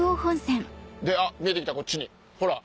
あっ見えて来たこっちにほら。